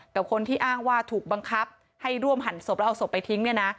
กับคนที่อ้างว่าถูกบังคับให้ร่วมหั่นศพแล้วเอาศพไปทิ้งเนี่ยนะ